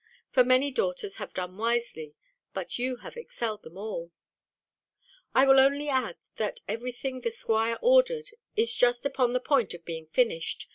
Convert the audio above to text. For many daughters have done wisely, but you have excelled them all. I will only add, that every thing the 'squire ordered is just upon the point of being finished.